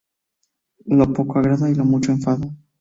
Lo poco agrada y lo mucho enfada